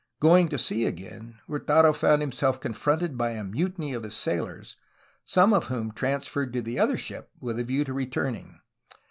Going to sea again Hurtado found himself confronted by a mutiny of his sailors, some of whom transferred to the other ship with a view to returning.